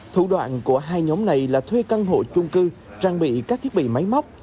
thủ đoạn của hai nhóm này là thuê căn hộ chung cư trang bị các thiết bị máy móc